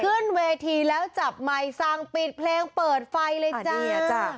ขึ้นเวทีแล้วจับไมค์สั่งปิดเพลงเปิดไฟเลยจ้า